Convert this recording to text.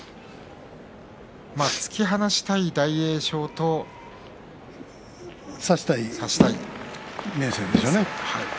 突き放したい大栄翔と差したい明生ですね。